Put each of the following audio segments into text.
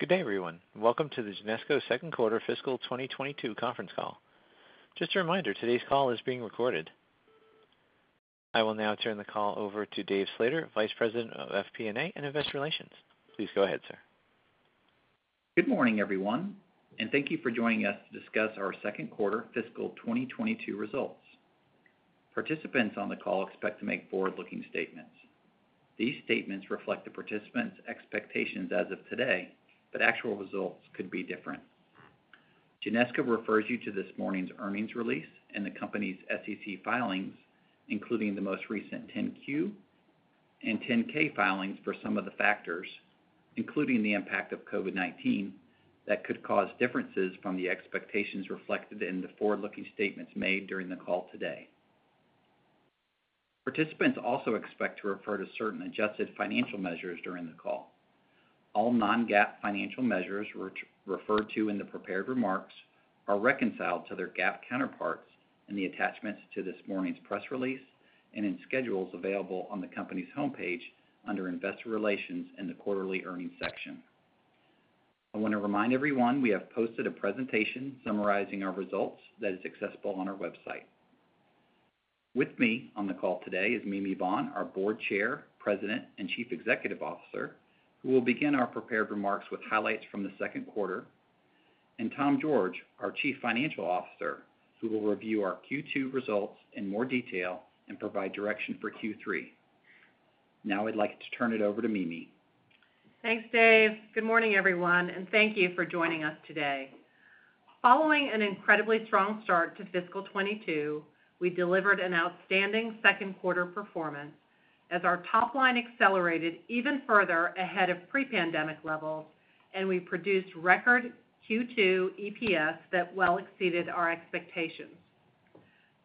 Good day, everyone. Welcome to the Genesco second quarter fiscal 2022 conference call. Just a reminder, today's call is being recorded. I will now turn the call over to Dave Slater, Vice President of FP&A and Investor Relations. Please go ahead, sir. Good morning, everyone, and thank you for joining us to discuss our second quarter fiscal 2022 results. Participants on the call expect to make forward-looking statements. These statements reflect the participants' expectations as of today, but actual results could be different. Genesco refers you to this morning's earnings release and the company's SEC filings, including the most recent 10-Q and 10-K filings for some of the factors, including the impact of COVID-19, that could cause differences from the expectations reflected in the forward-looking statements made during the call today. Participants also expect to refer to certain adjusted financial measures during the call. All non-GAAP financial measures referred to in the prepared remarks are reconciled to their GAAP counterparts in the attachments to this morning's press release and in schedules available on the company's homepage under Investor Relations in the Quarterly Earnings section. I want to remind everyone, we have posted a presentation summarizing our results that is accessible on our website. With me on the call today is Mimi Vaughn, our Board Chair, President, and Chief Executive Officer, who will begin our prepared remarks with highlights from the second quarter, and Tom George, our Chief Financial Officer, who will review our Q2 results in more detail and provide direction for Q3. I'd like to turn it over to Mimi. Thanks, Dave. Good morning, everyone, and thank you for joining us today. Following an incredibly strong start to fiscal 2022, we delivered an outstanding second quarter performance as our top line accelerated even further ahead of pre-pandemic levels, and we produced record Q2 EPS that well exceeded our expectations.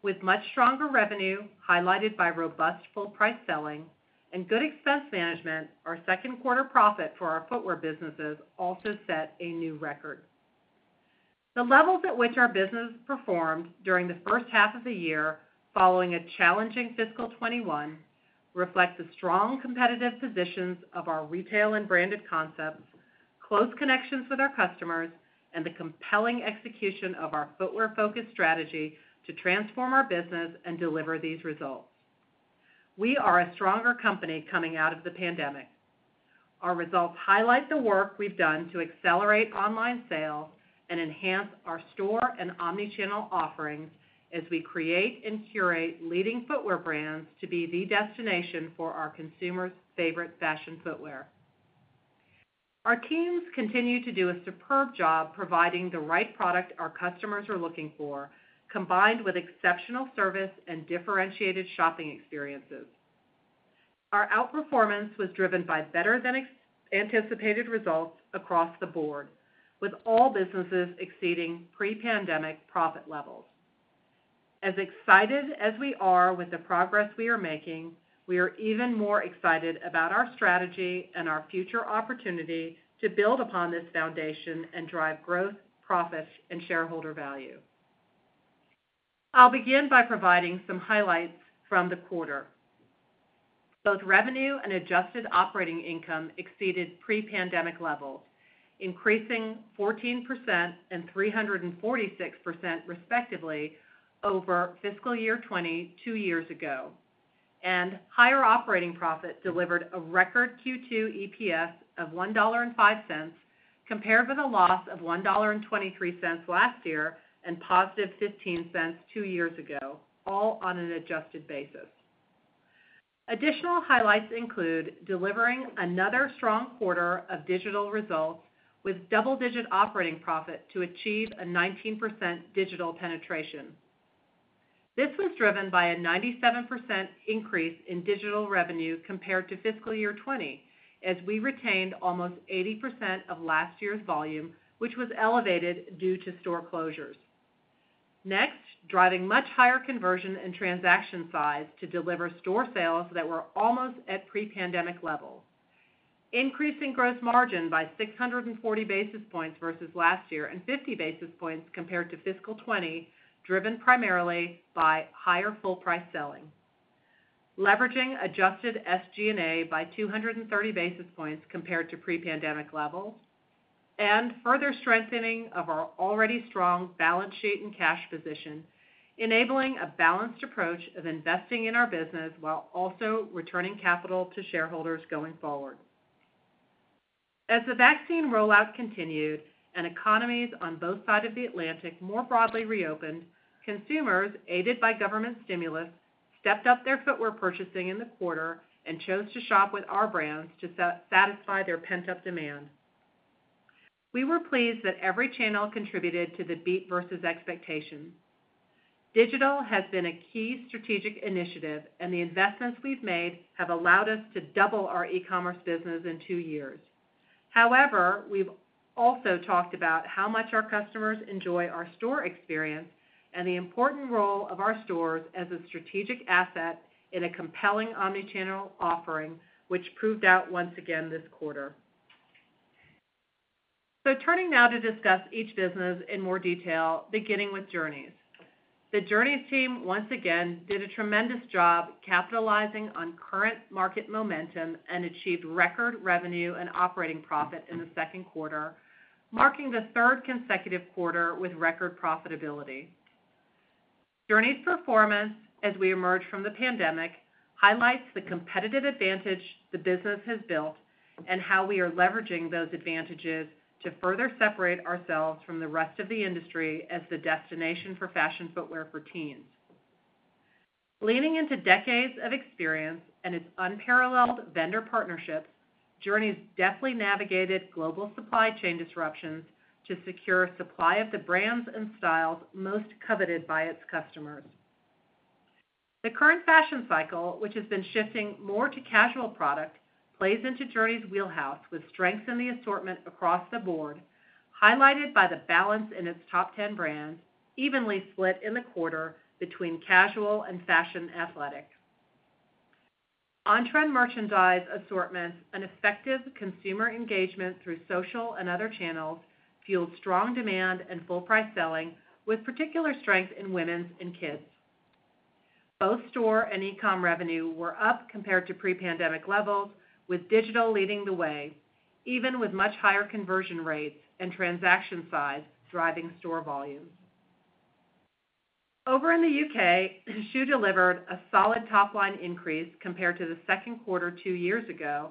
With much stronger revenue highlighted by robust full price selling and good expense management, our second quarter profit for our footwear businesses also set a new record. The levels at which our business performed during the first half of the year following a challenging fiscal 2021 reflect the strong competitive positions of our retail and branded concepts, close connections with our customers, and the compelling execution of our footwear-focused strategy to transform our business and deliver these results. We are a stronger company coming out of the pandemic. Our results highlight the work we've done to accelerate online sales and enhance our store and omnichannel offerings as we create and curate leading footwear brands to be the destination for our consumers' favorite fashion footwear. Our teams continue to do a superb job providing the right product our customers are looking for, combined with exceptional service and differentiated shopping experiences. Our outperformance was driven by better than anticipated results across the board, with all businesses exceeding pre-pandemic profit levels. As excited as we are with the progress we are making, we are even more excited about our strategy and our future opportunity to build upon this foundation and drive growth, profit, and shareholder value. I'll begin by providing some highlights from the quarter. Both revenue and adjusted operating income exceeded pre-pandemic levels, increasing 14% and 346% respectively over fiscal year 2020 two years ago. Higher operating profit delivered a record Q2 EPS of $1.05, compared with a loss of $1.23 last year and positive $0.15 two years ago, all on an adjusted basis. Additional highlights include delivering another strong quarter of digital results with double-digit operating profit to achieve a 19% digital penetration. This was driven by a 97% increase in digital revenue compared to fiscal year 2020 as we retained almost 80% of last year's volume, which was elevated due to store closures. Driving much higher conversion and transaction size to deliver store sales that were almost at pre-pandemic levels. Increasing gross margin by 640 basis points versus last year and 50 basis points compared to fiscal year 2020, driven primarily by higher full price selling. Leveraging adjusted SG&A by 230 basis points compared to pre-pandemic levels. Further strengthening of our already strong balance sheet and cash position, enabling a balanced approach of investing in our business while also returning capital to shareholders going forward. As the vaccine rollout continued and economies on both sides of the Atlantic more broadly reopened, consumers, aided by government stimulus, stepped up their footwear purchasing in the quarter and chose to shop with our brands to satisfy their pent-up demand. We were pleased that every channel contributed to the beat versus expectations. Digital has been a key strategic initiative, and the investments we've made have allowed us to double our e-commerce business in two years. We've also talked about how much our customers enjoy our store experience and the important role of our stores as a strategic asset in a compelling omnichannel offering, which proved out once again this quarter. Turning now to discuss each business in more detail, beginning with Journeys. The Journeys team, once again, did a tremendous job capitalizing on current market momentum and achieved record revenue and operating profit in the second quarter, marking the third consecutive quarter with record profitability. Journeys' performance as we emerge from the pandemic highlights the competitive advantage the business has built and how we are leveraging those advantages to further separate ourselves from the rest of the industry as the destination for fashion footwear for teens. Leaning into decades of experience and its unparalleled vendor partnerships, Journeys deftly navigated global supply chain disruptions to secure supply of the brands and styles most coveted by its customers. The current fashion cycle, which has been shifting more to casual product, plays into Journeys' wheelhouse with strength in the assortment across the board, highlighted by the balance in its top 10 brands, evenly split in the quarter between casual and fashion athletic. On-trend merchandise assortments and effective consumer engagement through social and other channels fueled strong demand and full price selling, with particular strength in women's and kids. Both store and e-com revenue were up compared to pre-pandemic levels, with digital leading the way, even with much higher conversion rates and transaction size driving store volumes. Over in the U.K., Schuh delivered a solid top-line increase compared to the second quarter two years ago,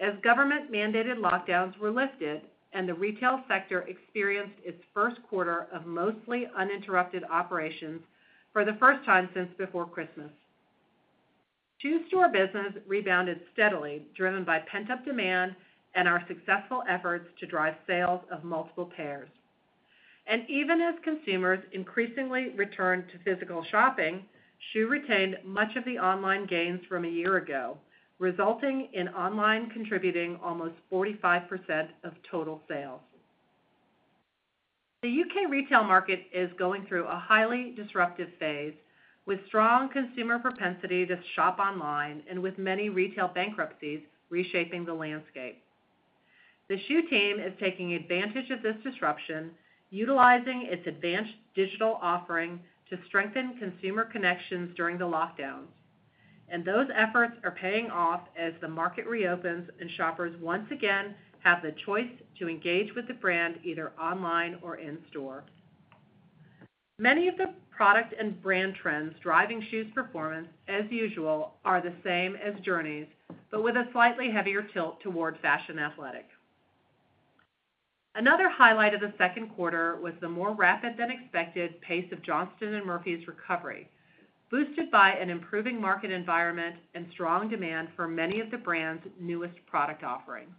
as government-mandated lockdowns were lifted and the retail sector experienced its first quarter of mostly uninterrupted operations for the first time since before Christmas. Schuh's store business rebounded steadily, driven by pent-up demand and our successful efforts to drive sales of multiple pairs. Even as consumers increasingly returned to physical shopping, Schuh retained much of the online gains from a year ago, resulting in online contributing almost 45% of total sales. The U.K. retail market is going through a highly disruptive phase, with strong consumer propensity to shop online and with many retail bankruptcies reshaping the landscape. The Schuh team is taking advantage of this disruption, utilizing its advanced digital offering to strengthen consumer connections during the lockdowns, and those efforts are paying off as the market reopens and shoppers once again have the choice to engage with the brand either online or in-store. Many of the product and brand trends driving Schuh's performance, as usual, are the same as Journeys, but with a slightly heavier tilt toward fashion athletic. Another highlight of the second quarter was the more rapid than expected pace of Johnston & Murphy's recovery, boosted by an improving market environment and strong demand for many of the brand's newest product offerings.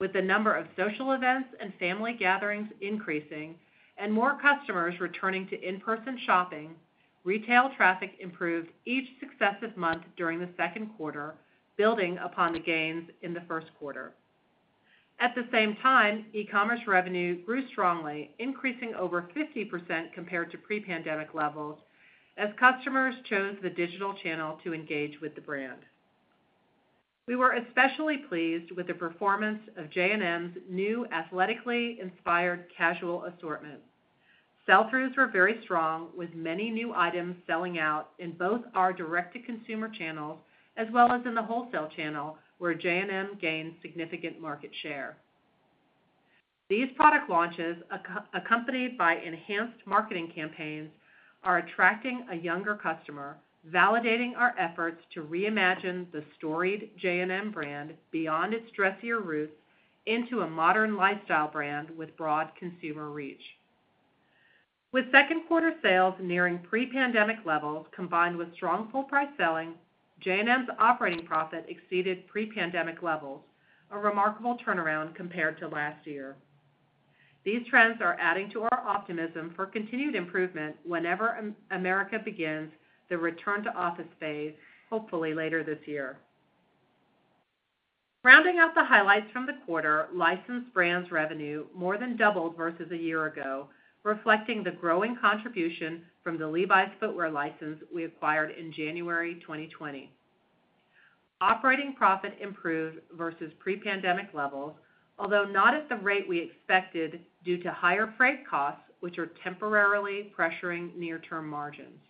With the number of social events and family gatherings increasing and more customers returning to in-person shopping, retail traffic improved each successive month during the second quarter, building upon the gains in the first quarter. At the same time, e-commerce revenue grew strongly, increasing over 50% compared to pre-pandemic levels, as customers chose the digital channel to engage with the brand. We were especially pleased with the performance of J&M's new athletically inspired casual assortment. Sell-throughs were very strong, with many new items selling out in both our direct-to-consumer channels as well as in the wholesale channel, where J&M gained significant market share. These product launches, accompanied by enhanced marketing campaigns, are attracting a younger customer, validating our efforts to reimagine the storied J&M brand beyond its dressier roots into a modern lifestyle brand with broad consumer reach. With second quarter sales nearing pre-pandemic levels, combined with strong full price selling, J&M's operating profit exceeded pre-pandemic levels, a remarkable turnaround compared to last year. These trends are adding to our optimism for continued improvement whenever America begins the return to office phase, hopefully later this year. Rounding out the highlights from the quarter, licensed brands revenue more than doubled versus a year ago, reflecting the growing contribution from the Levi's footwear license we acquired in January 2020. Operating profit improved versus pre-pandemic levels, although not at the rate we expected due to higher freight costs, which are temporarily pressuring near-term margins.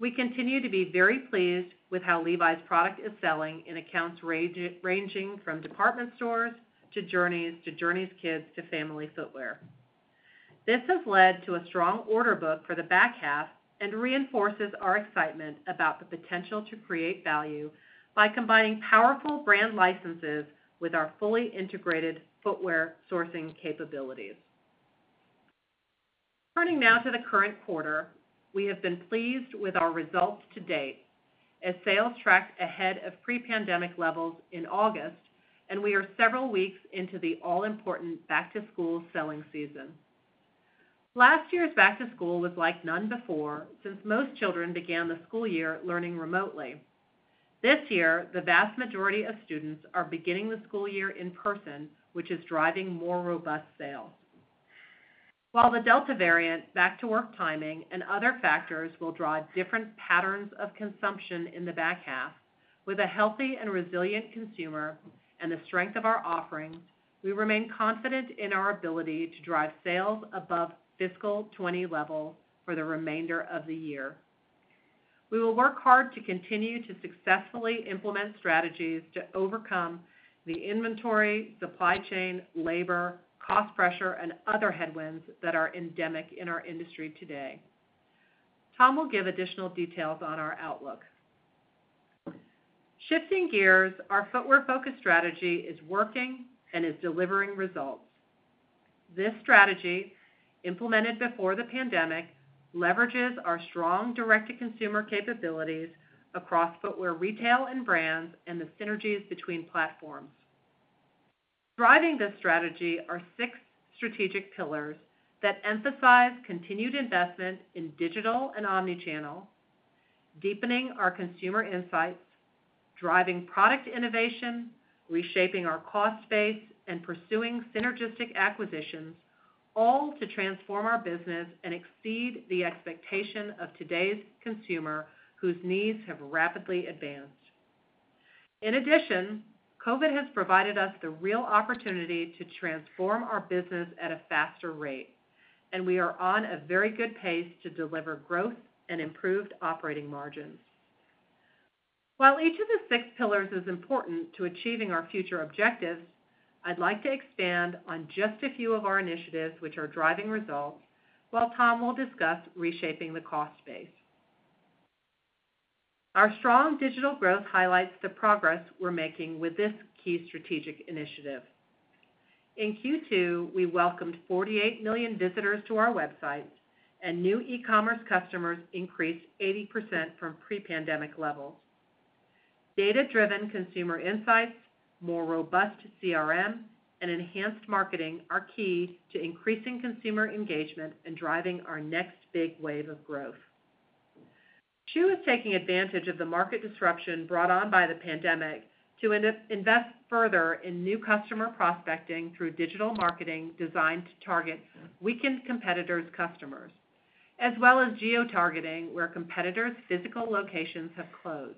We continue to be very pleased with how Levi's product is selling in accounts ranging from department stores to Journeys to Journeys Kidz to Family Footwear. This has led to a strong order book for the back half and reinforces our excitement about the potential to create value by combining powerful brand licenses with our fully integrated footwear sourcing capabilities. Turning now to the current quarter, we have been pleased with our results to date, as sales tracked ahead of pre-pandemic levels in August, and we are several weeks into the all-important back-to-school selling season. Last year's back-to-school was like none before, since most children began the school year learning remotely. This year, the vast majority of students are beginning the school year in person, which is driving more robust sales. While the Delta variant, back-to-work timing, and other factors will drive different patterns of consumption in the back half. With a healthy and resilient consumer and the strength of our offering, we remain confident in our ability to drive sales above fiscal 2020 level for the remainder of the year. We will work hard to continue to successfully implement strategies to overcome the inventory, supply chain, labor, cost pressure, and other headwinds that are endemic in our industry today. Tom will give additional details on our outlook. Shifting gears, our footwear-focused strategy is working and is delivering results. This strategy, implemented before the pandemic, leverages our strong direct-to-consumer capabilities across footwear retail and brands, and the synergies between platforms. Driving this strategy are six strategic pillars that emphasize continued investment in digital and omni-channel, deepening our consumer insights, driving product innovation, reshaping our cost base, and pursuing synergistic acquisitions, all to transform our business and exceed the expectation of today's consumer whose needs have rapidly advanced. In addition, COVID has provided us the real opportunity to transform our business at a faster rate, and we are on a very good pace to deliver growth and improved operating margins. While each of the six pillars is important to achieving our future objectives, I'd like to expand on just a few of our initiatives which are driving results, while Tom will discuss reshaping the cost base. Our strong digital growth highlights the progress we're making with this key strategic initiative. In Q2, we welcomed 48 million visitors to our website, and new e-commerce customers increased 80% from pre-pandemic levels. Data-driven consumer insights, more robust CRM, and enhanced marketing are key to increasing consumer engagement and driving our next big wave of growth. Schuh is taking advantage of the market disruption brought on by the pandemic to invest further in new customer prospecting through digital marketing designed to target weakened competitors' customers, as well as geotargeting where competitors' physical locations have closed.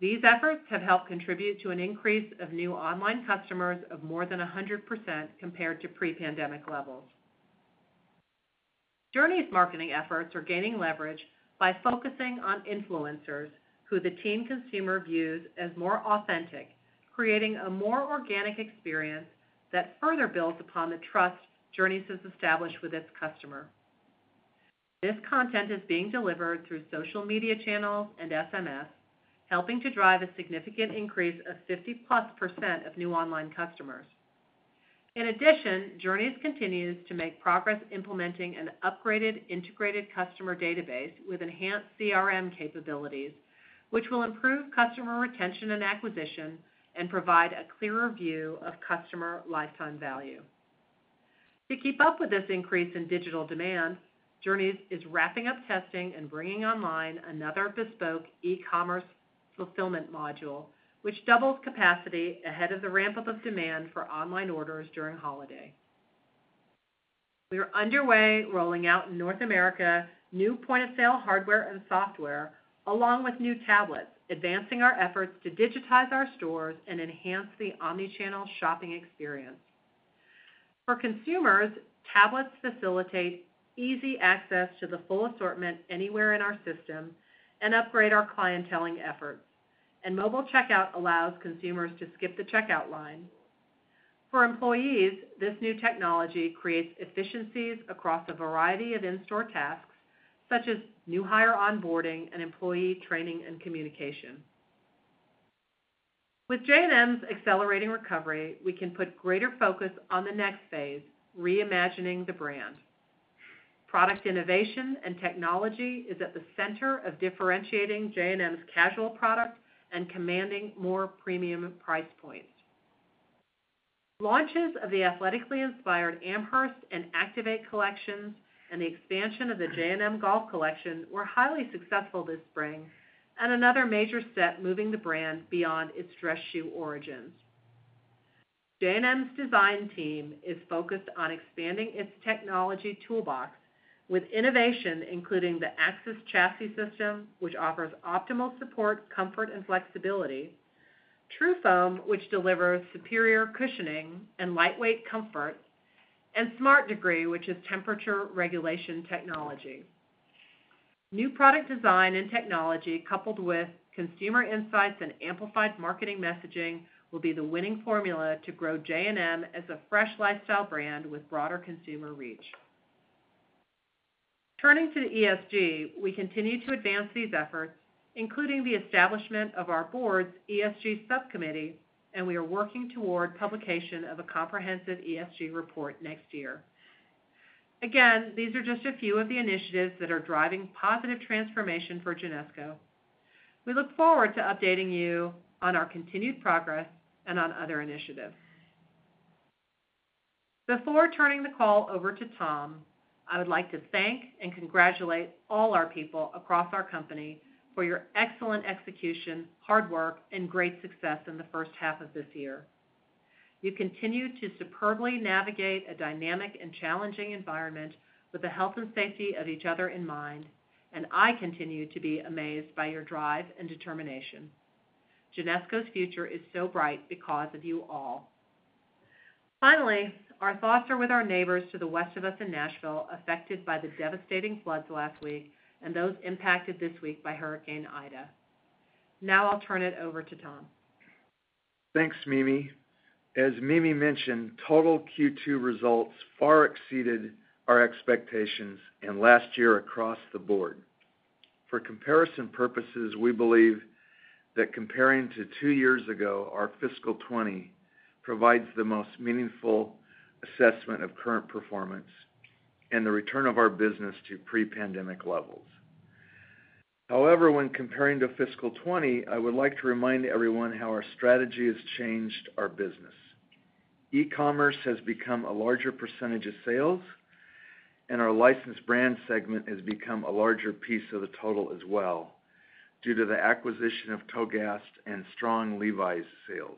These efforts have helped contribute to an increase of new online customers of more than 100% compared to pre-pandemic levels. Journeys' marketing efforts are gaining leverage by focusing on influencers who the teen consumer views as more authentic, creating a more organic experience that further builds upon the trust Journeys has established with its customer. This content is being delivered through social media channels and SMS, helping to drive a significant increase of 50%+ of new online customers. In addition, Journeys continues to make progress implementing an upgraded integrated customer database with enhanced CRM capabilities, which will improve customer retention and acquisition and provide a clearer view of customer lifetime value. To keep up with this increase in digital demand, Journeys is wrapping up testing and bringing online one another bespoke e-commerce fulfillment module, which doubles capacity ahead of the ramp-up of demand for online orders during holiday. We are underway rolling out in North America new point-of-sale hardware and software along with new tablets, advancing our efforts to digitize our stores and enhance the omni-channel shopping experience. For consumers, tablets facilitate easy access to the full assortment anywhere in our system and upgrade our clienteling efforts, and mobile checkout allows consumers to skip the checkout line. For employees, this new technology creates efficiencies across a variety of in-store tasks, such as new hire onboarding and employee training and communication. With J&M's accelerating recovery, we can put greater focus on the next phase, reimagining the brand. Product innovation and technology is at the center of differentiating J&M's casual product and commanding more premium price points. Launches of the athletically inspired Amherst and Activate collections and the expansion of the J&M Golf collection were highly successful this spring, and another major step moving the brand beyond its dress shoe origins. J&M's design team is focused on expanding its technology toolbox with innovation including the Axis Chassis system, which offers optimal support, comfort, and flexibility, TRUFOAM, which delivers superior cushioning and lightweight comfort, and Smart Degree, which is temperature regulation technology. New product design and technology coupled with consumer insights and amplified marketing messaging will be the winning formula to grow J&M as a fresh lifestyle brand with broader consumer reach. Turning to the ESG, we continue to advance these efforts, including the establishment of our board's ESG subcommittee, and we are working toward publication of a comprehensive ESG report next year. Again, these are just a few of the initiatives that are driving positive transformation for Genesco. We look forward to updating you on our continued progress and on other initiatives. Before turning the call over to Tom, I would like to thank and congratulate all our people across our company for your excellent execution, hard work, and great success in the first half of this year. You continue to superbly navigate a dynamic and challenging environment with the health and safety of each other in mind, and I continue to be amazed by your drive and determination. Genesco's future is so bright because of you all. Finally, our thoughts are with our neighbors to the west of us in Nashville, affected by the devastating floods last week, and those impacted this week by Hurricane Ida. Now I'll turn it over to Tom. Thanks, Mimi. As Mimi mentioned, total Q2 results far exceeded our expectations and last year across the board. For comparison purposes, we believe that comparing to two years ago, our fiscal 2020, provides the most meaningful assessment of current performance and the return of our business to pre-pandemic levels. When comparing to fiscal 2020, I would like to remind everyone how our strategy has changed our business. E-commerce has become a larger percentage of sales, and our licensed brand segment has become a larger piece of the total as well due to the acquisition of Togast and strong Levi's sales.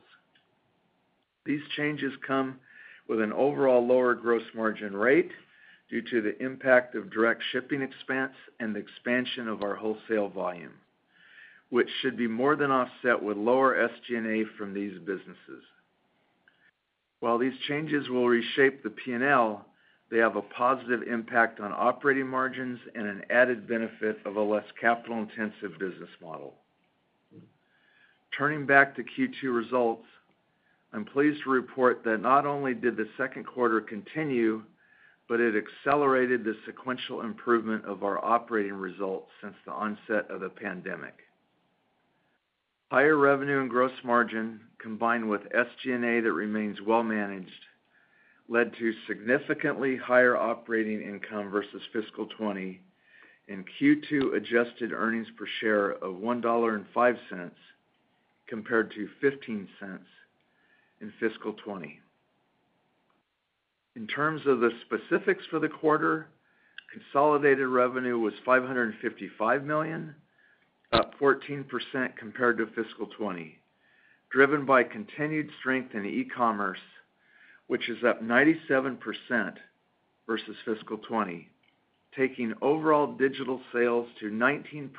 These changes come with an overall lower gross margin rate due to the impact of direct shipping expense and the expansion of our wholesale volume, which should be more than offset with lower SG&A from these businesses. While these changes will reshape the P&L, they have a positive impact on operating margins and an added benefit of a less capital-intensive business model. Turning back to Q2 results, I'm pleased to report that not only did the second quarter continue, but it accelerated the sequential improvement of our operating results since the onset of the pandemic. Higher revenue and gross margin, combined with SG&A that remains well managed, led to significantly higher operating income versus fiscal 2020 and Q2 adjusted earnings per share of $1.05 compared to $0.15 in fiscal 2020. In terms of the specifics for the quarter, consolidated revenue was $555 million, up 14% compared to fiscal 2020, driven by continued strength in e-commerce, which is up 97% versus fiscal 2020, taking overall digital sales to 19%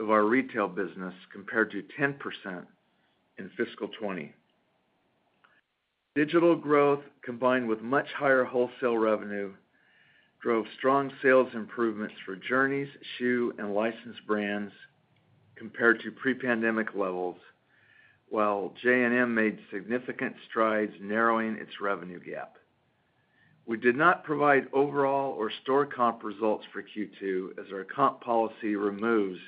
of our retail business compared to 10% in fiscal 2020. Digital growth, combined with much higher wholesale revenue, drove strong sales improvements for Journeys, Schuh, and licensed brands compared to pre-pandemic levels, while J&M made significant strides narrowing its revenue gap. We did not provide overall or store comp results for Q2, as our comp policy removes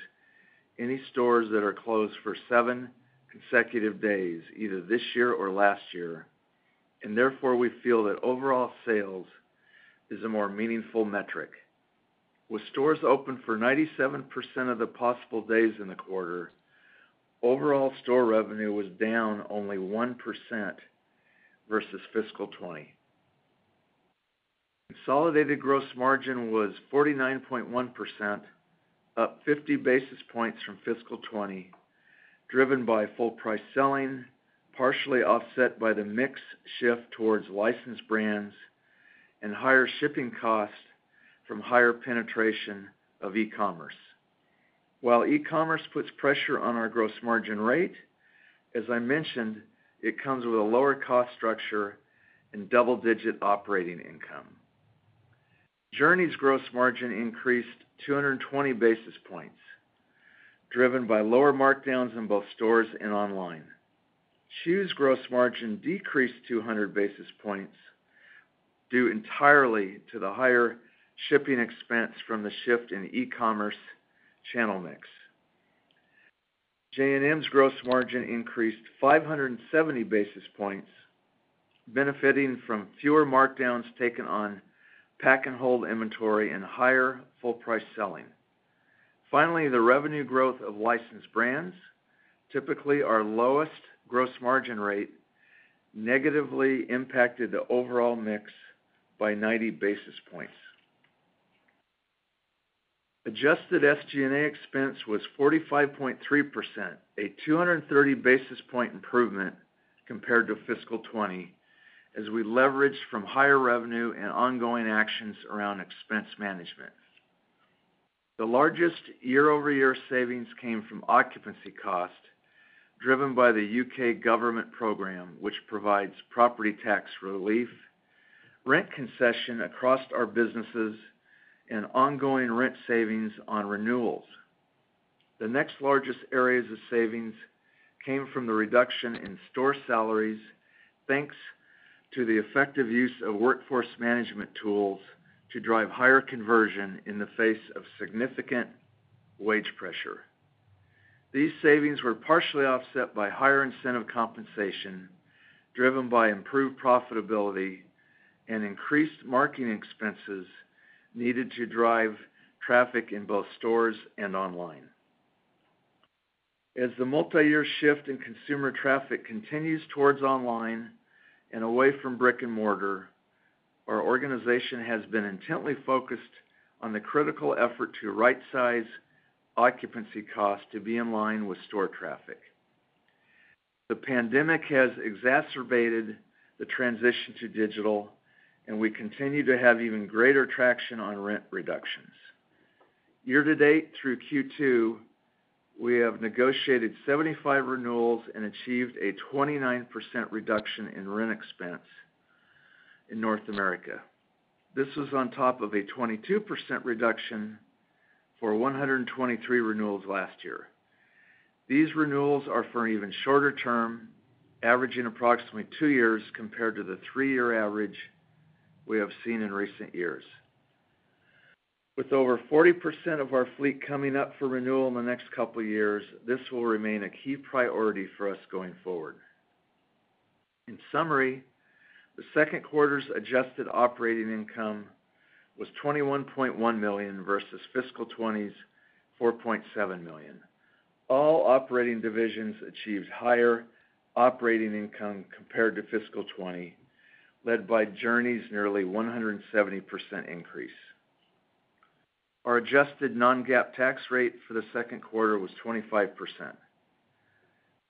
any stores that are closed for seven consecutive days either this year or last year, and therefore, we feel that overall sales is a more meaningful metric. With stores open for 97% of the possible days in the quarter, overall store revenue was down only 1% versus fiscal 2020. Consolidated gross margin was 49.1%, up 50 basis points from fiscal 2020, driven by full price selling, partially offset by the mix shift towards licensed brands and higher shipping costs from higher penetration of e-commerce. While e-commerce puts pressure on our gross margin rate, as I mentioned, it comes with a lower cost structure and double-digit operating income. Journeys' gross margin increased 220 basis points, driven by lower markdowns in both stores and online. Schuh's gross margin decreased 200 basis points due entirely to the higher shipping expense from the shift in e-commerce channel mix. J&M's gross margin increased 570 basis points, benefiting from fewer markdowns taken on pack-and-hold inventory and higher full-price selling. Finally, the revenue growth of Licensed Brands, typically our lowest gross margin rate, negatively impacted the overall mix by 90 basis points. Adjusted SG&A expense was 45.3%, a 230-basis-point improvement compared to fiscal 2020 as we leveraged from higher revenue and ongoing actions around expense management. The largest year-over-year savings came from occupancy cost, driven by the U.K. government program, which provides property tax relief, rent concession across our businesses, and ongoing rent savings on renewals. The next largest areas of savings came from the reduction in store salaries, thanks to the effective use of workforce management tools to drive higher conversion in the face of significant wage pressure. These savings were partially offset by higher incentive compensation, driven by improved profitability and increased marketing expenses needed to drive traffic in both stores and online. As the multi-year shift in consumer traffic continues towards online and away from brick and mortar. Our organization has been intently focused on the critical effort to rightsize occupancy cost to be in line with store traffic. The pandemic has exacerbated the transition to digital, we continue to have even greater traction on rent reductions. Year to date through Q2, we have negotiated 75 renewals and achieved a 29% reduction in rent expense in North America. This was on top of a 22% reduction for 123 renewals last year. These renewals are for an even shorter term, averaging approximately two years compared to the three-year average we have seen in recent years. With over 40% of our fleet coming up for renewal in the next couple years, this will remain a key priority for us going forward. In summary, the second quarter's adjusted operating income was $21.1 million versus fiscal 2020's $4.7 million. All operating divisions achieved higher operating income compared to fiscal 2020, led by Journeys' nearly 170% increase. Our adjusted non-GAAP tax rate for the second quarter was 25%.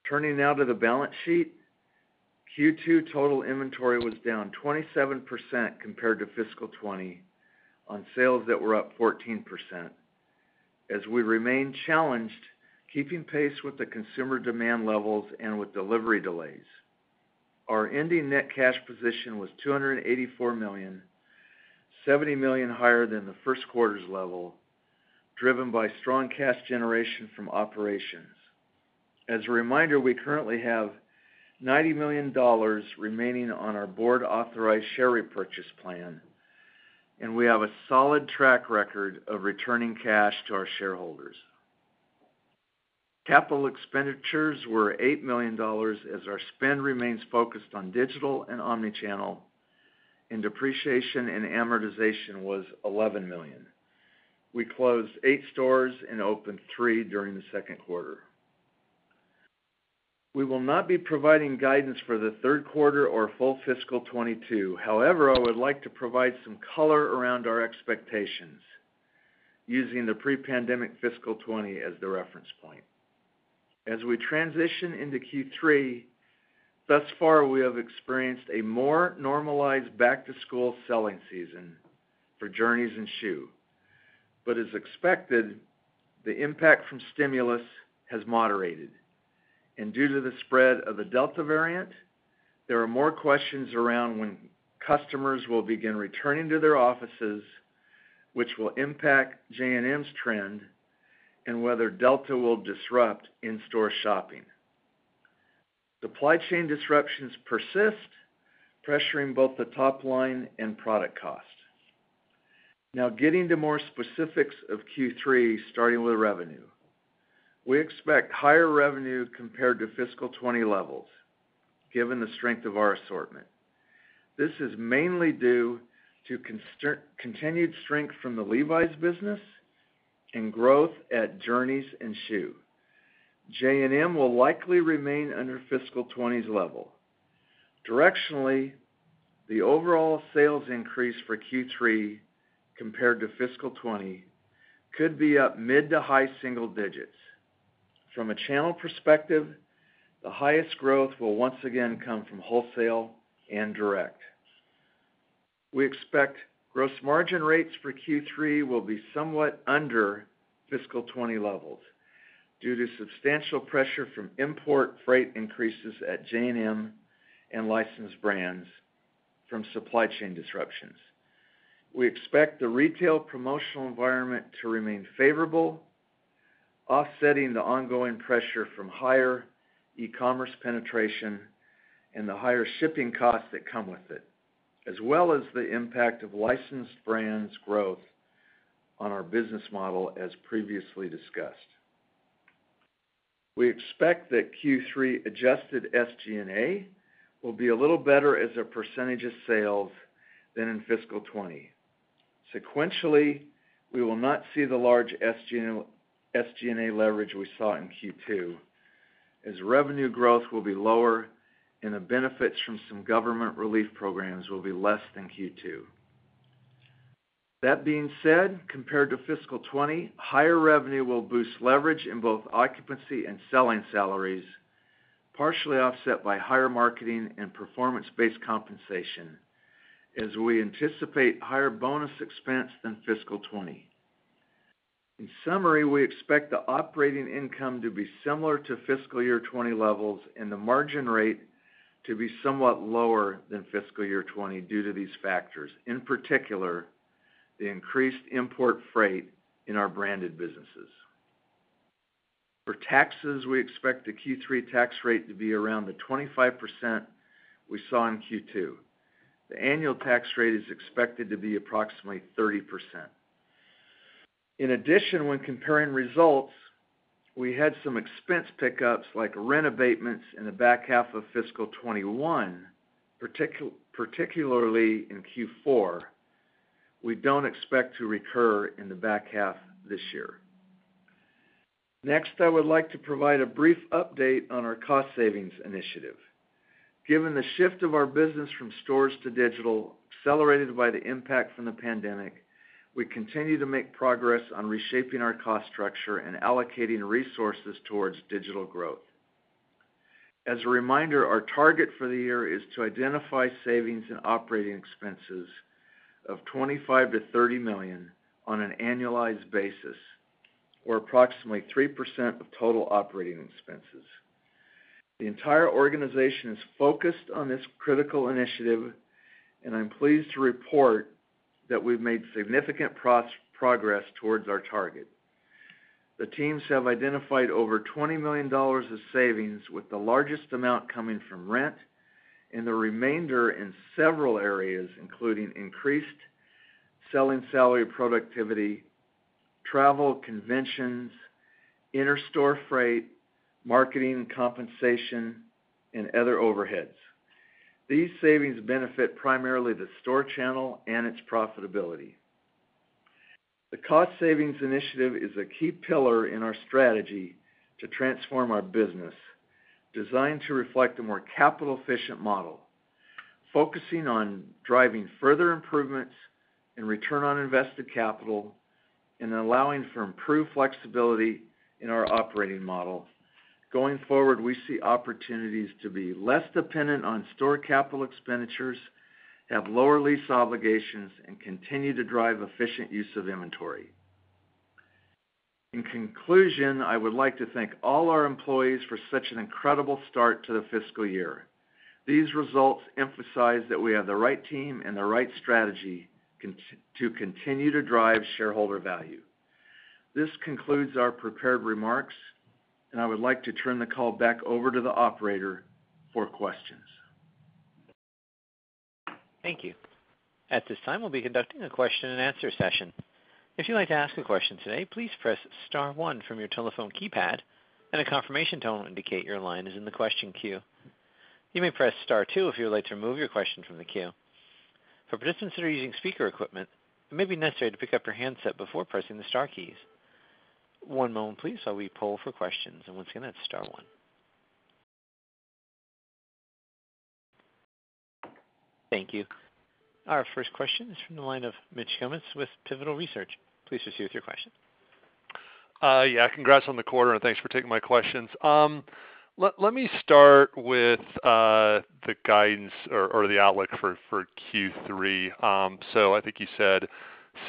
Turning now to the balance sheet. Q2 total inventory was down 27% compared to fiscal 2020 on sales that were up 14%, as we remain challenged keeping pace with the consumer demand levels and with delivery delays. Our ending net cash position was $284 million, $70 million higher than the first quarter's level, driven by strong cash generation from operations. As a reminder, we currently have $90 million remaining on our board-authorized share repurchase plan, and we have a solid track record of returning cash to our shareholders. Capital expenditures were $8 million, as our spend remains focused on digital and omnichannel, and depreciation and amortization was $11 million. We closed eight stores and opened three during the second quarter. We will not be providing guidance for the third quarter or full fiscal 2022. However, I would like to provide some color around our expectations using the pre-pandemic fiscal 2020 as the reference point. As we transition into Q3, thus far, we have experienced a more normalized back-to-school selling season for Journeys and Schuh. As expected, the impact from stimulus has moderated. Due to the spread of the Delta variant, there are more questions around when customers will begin returning to their offices, which will impact J&M's trend and whether Delta will disrupt in-store shopping. Supply chain disruptions persist, pressuring both the top line and product cost. Now, getting to more specifics of Q3, starting with revenue. We expect higher revenue compared to fiscal 2020 levels, given the strength of our assortment. This is mainly due to continued strength from the Levi's business and growth at Journeys and Schuh. J&M will likely remain under fiscal 2020's level. Directionally, the overall sales increase for Q3 compared to fiscal 2020 could be up mid to high single digits. From a channel perspective, the highest growth will once again come from wholesale and direct. We expect gross margin rates for Q3 will be somewhat under fiscal 2020 levels due to substantial pressure from import freight increases at J&M and licensed brands from supply chain disruptions. We expect the retail promotional environment to remain favorable, offsetting the ongoing pressure from higher e-commerce penetration and the higher shipping costs that come with it, as well as the impact of licensed brands' growth on our business model as previously discussed. We expect that Q3 adjusted SG&A will be a little better as a percentage of sales than in fiscal 2020. Sequentially, we will not see the large SG&A leverage we saw in Q2, as revenue growth will be lower and the benefits from some government relief programs will be less than Q2. That being said, compared to fiscal 2020, higher revenue will boost leverage in both occupancy and selling salaries, partially offset by higher marketing and performance-based compensation as we anticipate higher bonus expense than fiscal 2020. In summary, we expect the operating income to be similar to fiscal year 2020 levels and the margin rate to be somewhat lower than fiscal year 2020 due to these factors. In particular, the increased import freight in our branded businesses. For taxes, we expect the Q3 tax rate to be around the 25% we saw in Q2. The annual tax rate is expected to be approximately 30%. In addition, when comparing results, we had some expense pickups like rent abatements in the back half of fiscal 2021, particularly in Q4, we don't expect to recur in the back half this year. Next, I would like to provide a brief update on our cost savings initiative. Given the shift of our business from stores to digital, accelerated by the impact from the pandemic, we continue to make progress on reshaping our cost structure and allocating resources towards digital growth. As a reminder, our target for the year is to identify savings and operating expenses of $25 million-$30 million on an annualized basis or approximately 3% of total operating expenses. The entire organization is focused on this critical initiative, and I'm pleased to report that we've made significant progress towards our target. The teams have identified over $20 million of savings, with the largest amount coming from rent and the remainder in several areas, including increased selling salary productivity, travel, conventions, interstore freight, marketing compensation, and other overheads. These savings benefit primarily the store channel and its profitability. The cost savings initiative is a key pillar in our strategy to transform our business, designed to reflect a more capital-efficient model, focusing on driving further improvements in return on invested capital and allowing for improved flexibility in our operating model. Going forward, we see opportunities to be less dependent on store capital expenditures, have lower lease obligations, and continue to drive efficient use of inventory. In conclusion, I would like to thank all our employees for such an incredible start to the fiscal year. These results emphasize that we have the right team and the right strategy to continue to drive shareholder value. This concludes our prepared remarks, and I would like to turn the call back over to the operator for questions. Thank you. At this time, we'll be conducting a Q&A session. If you'd like to ask a question today, please press star one from your telephone keypad and a confirmation tone to indicate your line is in the question queue. You may press star two if you'd like to remove your question from the queue. For participants that are using speaker equipment, it may necessary to pick up yur handset before pressing the star keys. One moment please, so we poll for questions. Once again that's star one. Thank you. Our first question is from the line of Mitch Kummetz with Pivotal Research. Please proceed with your question. Yeah. Congrats on the quarter, and thanks for taking my questions. Let me start with the guidance or the outlook for Q3. I think you said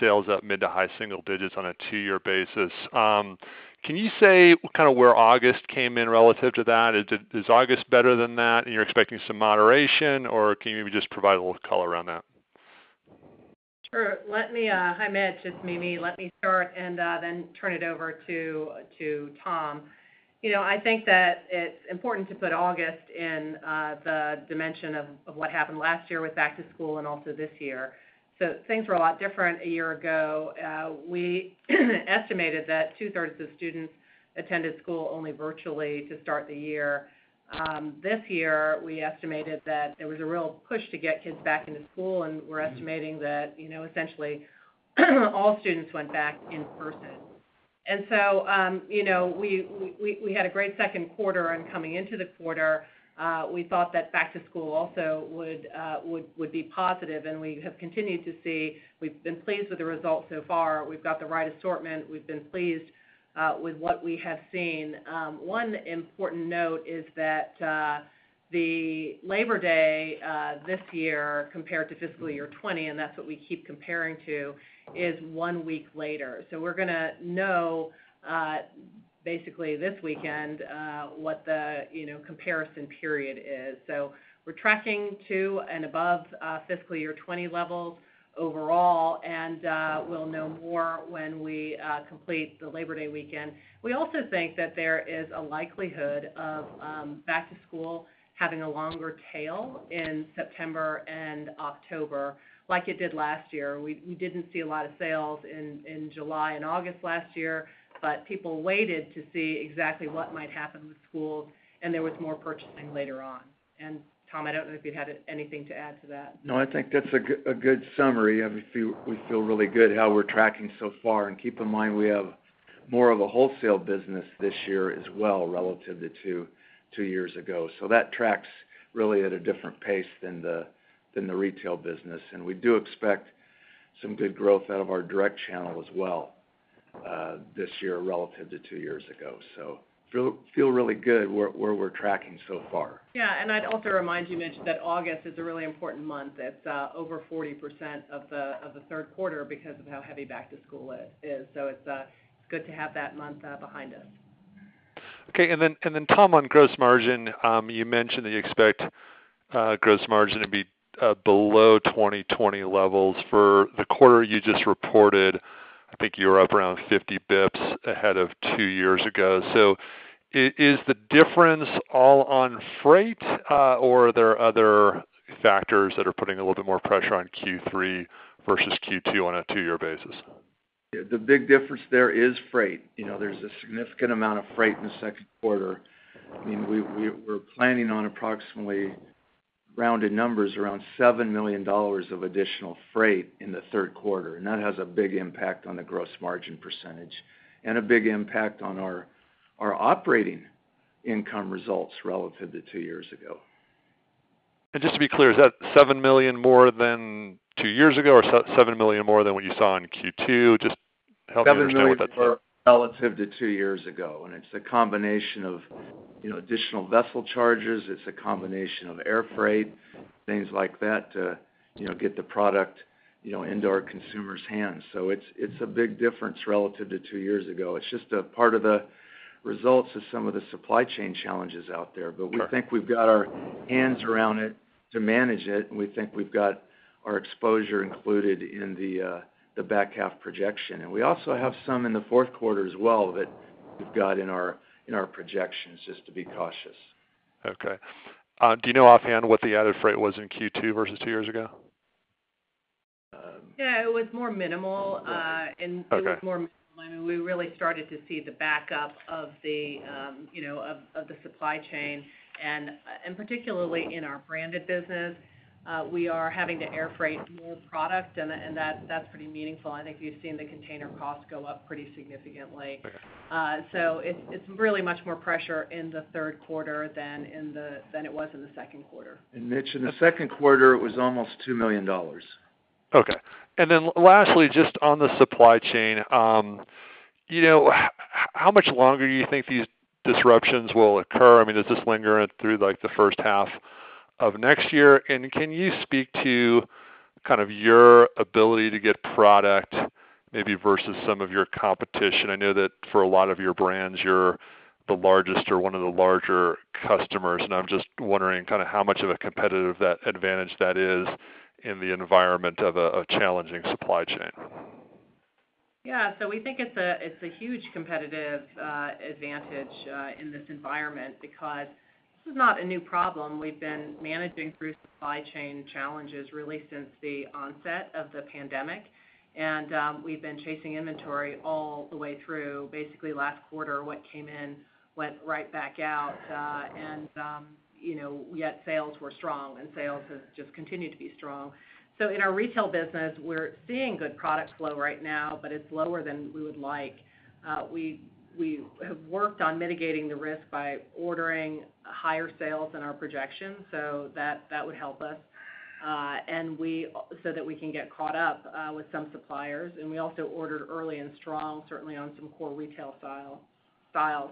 sales up mid- to high-single digits on a two-year basis. Can you say where August came in relative to that? Is August better than that and you're expecting some moderation, or can you maybe just provide a little color around that? Sure. Hi, Mitch. It's Mimi. Let me start and then turn it over to Tom. I think that it's important to put August in the dimension of what happened last year with back to school and also this year. Things were a lot different a year ago. We estimated that two-thirds of students attended school only virtually to start the year. This year, we estimated that there was a real push to get kids back into school, and we're estimating that essentially all students went back in person. We had a great second quarter, and coming into the quarter, we thought that back to school also would be positive, and we have continued to see. We've been pleased with the results so far. We've got the right assortment. We've been pleased with what we have seen. One important note is that the Labor Day this year compared to fiscal year 2020, and that's what we keep comparing to, is one week later. We're going to know, basically this weekend, what the comparison period is. We're tracking to and above fiscal year 2020 levels overall, and we'll know more when we complete the Labor Day weekend. We also think that there is a likelihood of back to school having a longer tail in September and October like it did last year. We didn't see a lot of sales in July and August last year, but people waited to see exactly what might happen with schools, and there was more purchasing later on. Tom, I don't know if you had anything to add to that. No, I think that's a good summary. Obviously, we feel really good how we're tracking so far. Keep in mind, we have more of a wholesale business this year as well relative to two years ago. That tracks really at a different pace than the retail business. We do expect some good growth out of our direct channel as well this year relative to two years ago. Feel really good where we're tracking so far. Yeah. I'd also remind you, Mitch, that August is a really important month. It's over 40% of the third quarter because of how heavy back to school is. It's good to have that month behind us. Okay. Tom, on gross margin, you mentioned that you expect gross margin to be below 2020 levels. For the quarter you just reported, I think you were up around 50 basis points ahead of two years ago. Is the difference all on freight, or are there other factors that are putting a little bit more pressure on Q3 versus Q2 on a two-year basis? The big difference there is freight. There's a significant amount of freight in the second quarter. We're planning on Rounded numbers around $7 million of additional freight in the third quarter. That has a big impact on the gross margin percentage and a big impact on our operating income results relative two years ago. Just to be clear, is that $7 million more than two years ago or $7 million more than what you saw in Q2? $7 million more relative to two years ago. It's a combination of additional vessel charges, it's a combination of air freight, things like that to get the product into our consumers' hands. It's a big difference relative to two years ago. It's just a part of the results of some of the supply chain challenges out there. We think we've got our hands around it to manage it, and we think we've got our exposure included in the back half projection. We also have some in the fourth quarter as well that we've got in our projections, just to be cautious. Okay. Do you know offhand what the added freight was in Q2 versus two years ago? Yeah, it was more minimal. Okay. It was more minimal. I mean, we really started to see the backup of the supply chain, and particularly in our branded business. We are having to air freight more product, and that's pretty meaningful. I think you've seen the container costs go up pretty significantly. It's really much more pressure in the third quarter than it was in the second quarter. Mitch, in the second quarter, it was almost $2 million. Okay. Lastly, just on the supply chain. How much longer do you think these disruptions will occur? I mean, does this linger through the first half of next year? Can you speak to kind of your ability to get product maybe versus some of your competition? I know that for a lot of your brands, you're the largest or one of the larger customers, and I'm just wondering how much of a competitive advantage that is in the environment of a challenging supply chain. We think it's a huge competitive advantage in this environment because this is not a new problem. We've been managing through supply chain challenges really since the onset of the pandemic. We've been chasing inventory all the way through. Basically last quarter, what came in, went right back out. Yet sales were strong, and sales have just continued to be strong. In our retail business, we're seeing good product flow right now, but it's lower than we would like. We have worked on mitigating the risk by ordering higher sales in our projections, so that would help us, so that we can get caught up with some suppliers. We also ordered early and strong, certainly on some core retail styles.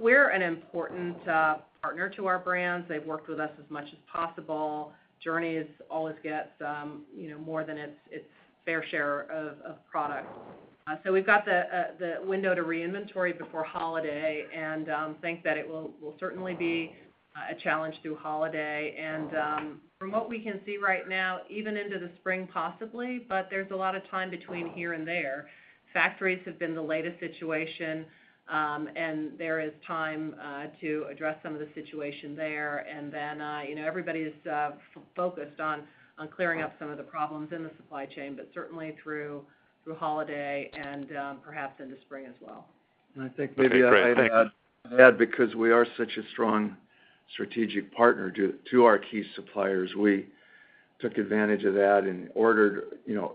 We're an important partner to our brands. They've worked with us as much as possible. Journeys always gets more than its fair share of product. We've got the window to re-inventory before holiday and think that it will certainly be a challenge through holiday. From what we can see right now, even into the spring, possibly, but there's a lot of time between here and there. Factories have been the latest situation, and there is time to address some of the situation there. Everybody is focused on clearing up some of the problems in the supply chain, but certainly through holiday and perhaps into spring as well. I think maybe I'd add because we are such a strong strategic partner to our key suppliers, we took advantage of that and ordered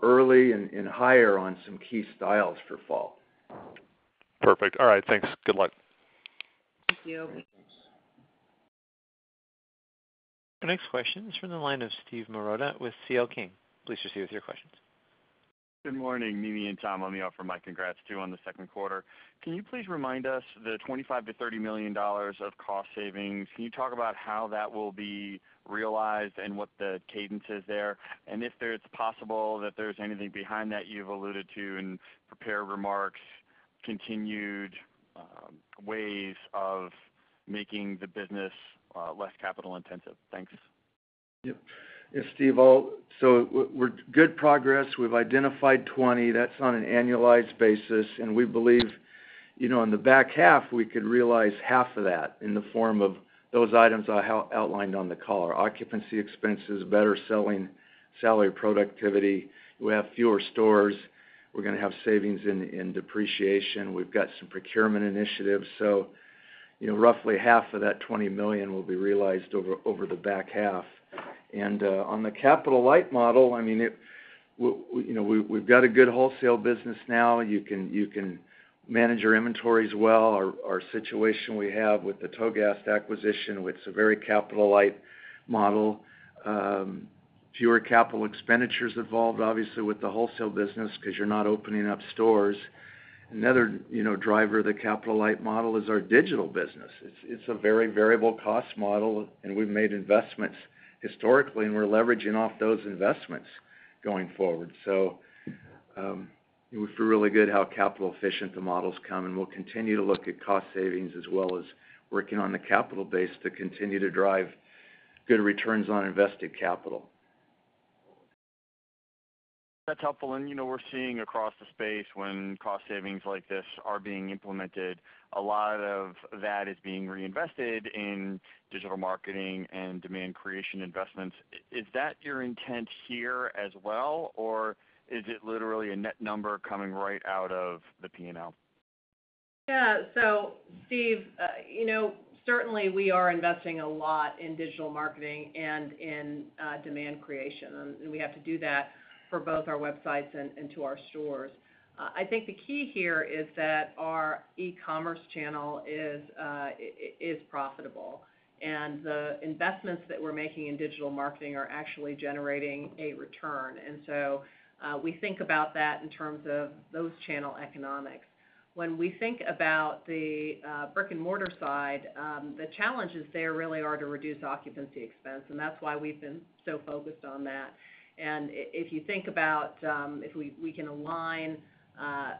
early and higher on some key styles for fall. Perfect. All right. Thanks. Good luck. Thank you. Thanks. Our next question is from the line of Steve Marotta with C.L. King. Please proceed with your questions. Good morning, Mimi and Tom. Let me offer my congrats, too, on the second quarter. Can you please remind us the $25 million-$30 million of cost savings, can you talk about how that will be realized and what the cadence is there? If it's possible that there's anything behind that you've alluded to in prepared remarks, continued ways of making the business less capital intensive? Thanks. Yep. Steve, we're good progress. We've identified $20 million. That's on an annualized basis. We believe in the back half, we could realize half of that in the form of those items I outlined on the call. Our occupancy expenses, better selling salary productivity. We have fewer stores. We're going to have savings in depreciation. We've got some procurement initiatives. Roughly half of that $20 million will be realized over the back half. On the capital light model, we've got a good wholesale business now. You can manage your inventories well. Our situation we have with the Togast acquisition, it's a very capital light model. Fewer capital expenditures involved, obviously, with the wholesale business because you're not opening up stores. Another driver of the capital light model is our digital business. It's a very variable cost model, and we've made investments historically, and we're leveraging off those investments going forward. We feel really good how capital efficient the model's come, and we'll continue to look at cost savings as well as working on the capital base to continue to drive good returns on invested capital. That's helpful. We're seeing across the space when cost savings like this are being implemented, a lot of that is being reinvested in digital marketing and demand creation investments. Is that your intent here as well, or is it literally a net number coming right out of the P&L? Yeah. Steve, certainly, we are investing a lot in digital marketing and in demand creation, and we have to do that for both our websites and to our stores. I think the key here is that our e-commerce channel is profitable and the investments that we're making in digital marketing are actually generating a return. We think about that in terms of those channel economics. When we think about the brick-and-mortar side, the challenges there really are to reduce occupancy expense, and that's why we've been so focused on that. If you think about if we can align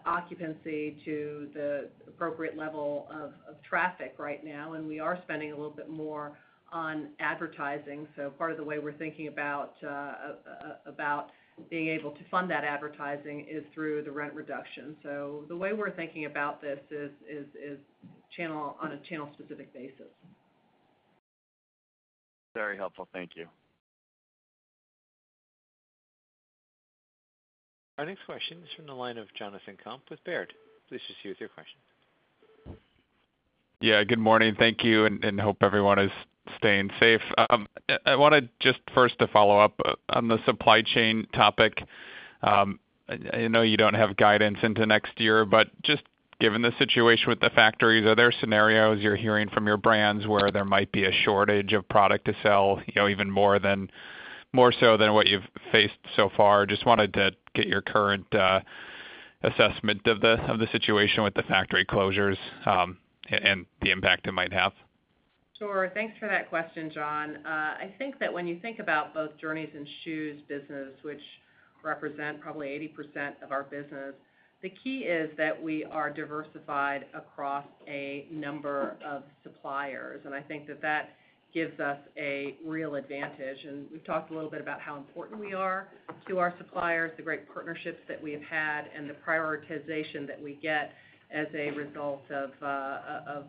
occupancy to the appropriate level of traffic right now, and we are spending a little bit more on advertising. Part of the way we're thinking about being able to fund that advertising is through the rent reduction. The way we're thinking about this is on a channel-specific basis. Very helpful. Thank you. Our next question is from the line of Jonathan Komp with Baird. Please proceed with your question. Yeah, good morning. Thank you, and hope everyone is staying safe. I wanted just first to follow up on the supply chain topic. I know you don't have guidance into next year, but just given the situation with the factories, are there scenarios you're hearing from your brands where there might be a shortage of product to sell, even more so than what you've faced so far? Just wanted to get your current assessment of the situation with the factory closures, and the impact it might have. Sure. Thanks for that question, John. I think that when you think about both Journeys and Schuh business, which represent probably 80% of our business, the key is that we are diversified across a number of suppliers, I think that gives us a real advantage. We've talked a little bit about how important we are to our suppliers, the great partnerships that we have had, and the prioritization that we get as a result of how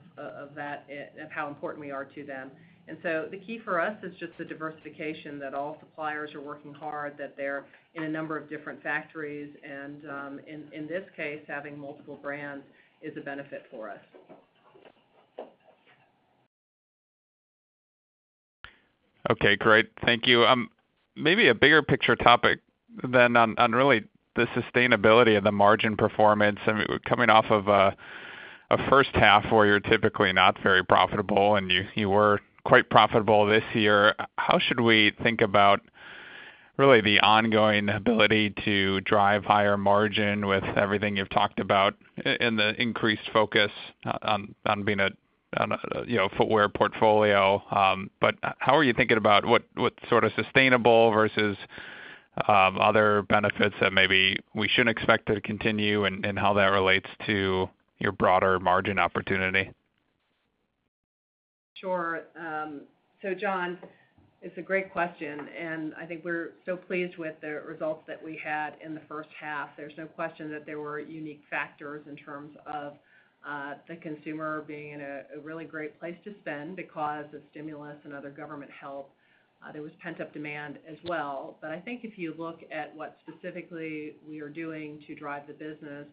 important we are to them. The key for us is just the diversification that all suppliers are working hard, that they're in a number of different factories, and, in this case, having multiple brands is a benefit for us. Okay, great. Thank you. Maybe a bigger picture topic than on really the sustainability of the margin performance. Coming off of a first half where you're typically not very profitable, and you were quite profitable this year, how should we think about really the ongoing ability to drive higher margin with everything you've talked about and the increased focus on being a footwear portfolio. How are you thinking about what sort of sustainable versus other benefits that maybe we shouldn't expect to continue and how that relates to your broader margin opportunity? Sure. John, it's a great question, and I think we're so pleased with the results that we had in the first half. There's no question that there were unique factors in terms of the consumer being in a really great place to spend because of stimulus and other government help. There was pent-up demand as well. I think if you look at what specifically we are doing to drive the business,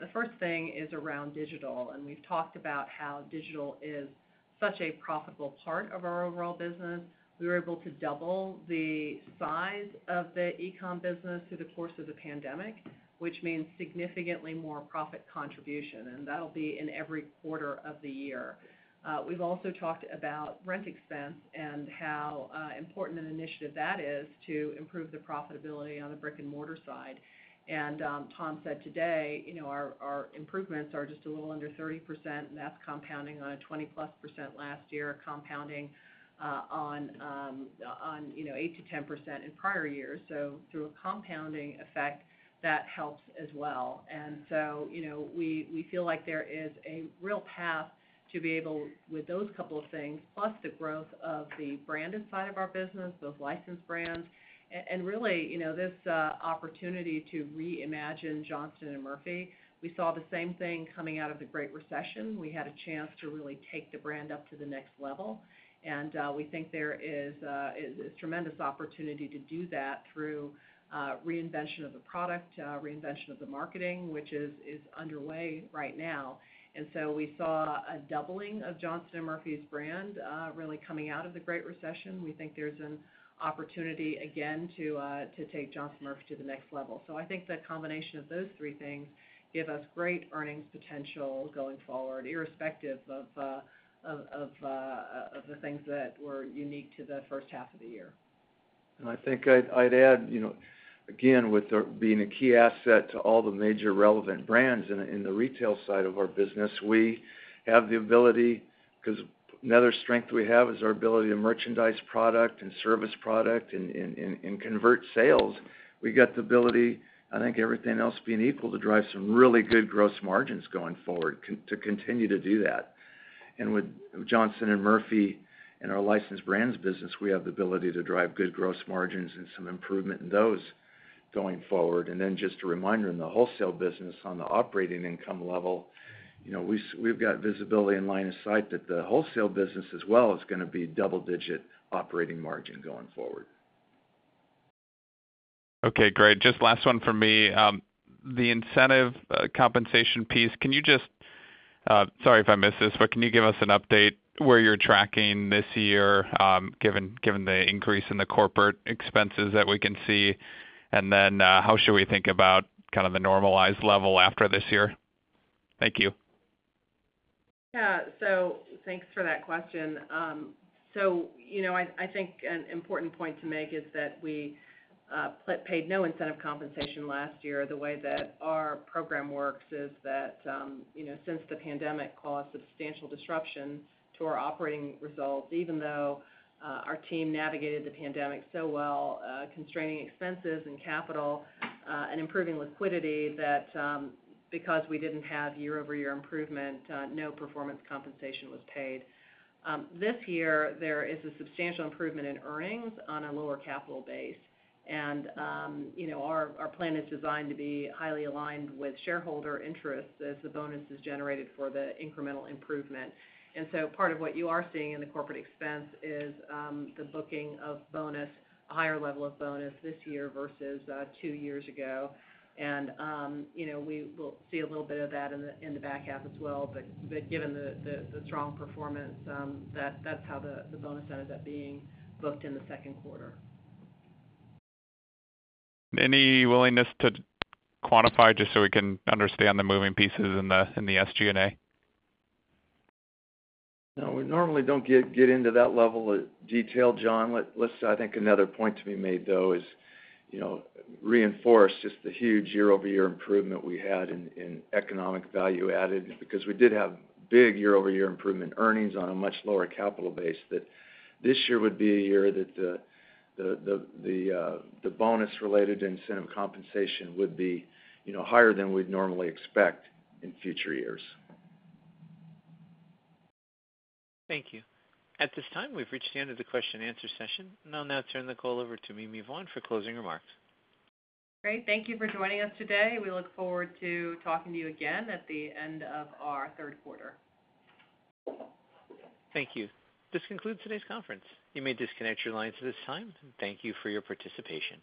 the first thing is around digital, and we've talked about how digital is such a profitable part of our overall business. We were able to double the size of the e-com business through the course of the pandemic. Which means significantly more profit contribution, and that'll be in every quarter of the year. We've also talked about rent expense and how important an initiative that is to improve the profitability on the brick-and-mortar side. Tom said today our improvements are just a little under 30%, and that's compounding on a 20%+ last year, compounding on 8%-10% in prior years. Through a compounding effect, that helps as well. We feel like there is a real path to be able, with those couple of things, plus the growth of the branded side of our business, those licensed brands, and really, this opportunity to reimagine Johnston & Murphy. We saw the same thing coming out of the Great Recession. We had a chance to really take the brand up to the next level, we think there is a tremendous opportunity to do that through reinvention of the product, reinvention of the marketing, which is underway right now. We saw a doubling of Johnston & Murphy's brand really coming out of the Great Recession. We think there's an opportunity again to take Johnston & Murphy to the next level. I think the combination of those three things give us great earnings potential going forward, irrespective of the things that were unique to the first half of the year. I think I'd add, again, with there being a key asset to all the major relevant brands in the retail side of our business. Because another strength we have is our ability to merchandise product and service product and convert sales. We got the ability, I think everything else being equal, to drive some really good gross margins going forward to continue to do that. With Johnston & Murphy and our licensed brands business, we have the ability to drive good gross margins and some improvement in those going forward. Just a reminder, in the wholesale business on the operating income level, we've got visibility and line of sight that the wholesale business as well is going to be double-digit operating margin going forward. Okay, great. Just last one from me. The incentive compensation piece, can you just sorry if I missed this, but can you give us an update where you're tracking this year given the increase in the corporate expenses that we can see? How should we think about kind of the normalized level after this year? Thank you. Thanks for that question. I think an important point to make is that we paid no incentive compensation last year. The way that our program works is that since the pandemic caused substantial disruption to our operating results, even though our team navigated the pandemic so well, constraining expenses and capital, and improving liquidity, that because we didn't have year-over-year improvement, no performance compensation was paid. This year there is a substantial improvement in earnings on a lower capital base. Our plan is designed to be highly aligned with shareholder interests as the bonus is generated for the incremental improvement. Part of what you are seeing in the corporate expense is the booking of bonus, a higher level of bonus this year versus two years ago. We will see a little bit of that in the back half as well, but given the strong performance, that's how the bonus ended up being booked in the second quarter. Any willingness to quantify just so we can understand the moving pieces in the SG&A? No. We normally don't get into that level of detail, John. I think another point to be made, though, is reinforce just the huge year-over-year improvement we had in economic value added because we did have big year-over-year improvement earnings on a much lower capital base that this year would be a year that the bonus-related incentive compensation would be higher than we'd normally expect in future years. Thank you. At this time, we've reached the end of the Q&A session, and I'll now turn the call over to Mimi Vaughn for closing remarks. Great. Thank you for joining us today. We look forward to talking to you again at the end of our third quarter. Thank you. This concludes today's conference. You may disconnect your lines at this time, and thank you for your participation.